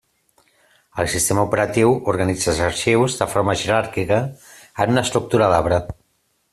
El sistema operatiu organitza els arxius de forma jeràrquica en una estructura d'arbre.